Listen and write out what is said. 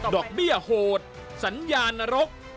อกเบี้ยโหดสัญญานรก